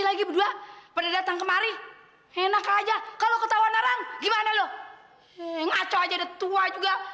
lagi berdua pada datang kemari enak aja kalau ketawa narang gimana lo ngaco aja detua juga